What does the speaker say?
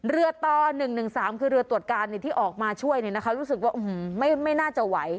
เรือต่อ๑๑๓คือเรือตรวจการที่ออกมาช่วยรู้สึกว่าไม่น่าจะไหว